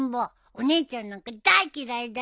お姉ちゃんなんか大嫌いだよ。